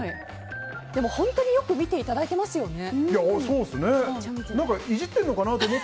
でも本当によく見ていただいてますよね。